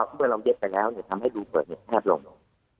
เมื่อเราเย็บไปแล้วจะทำให้ภาพรูปเปิดแล้วครับ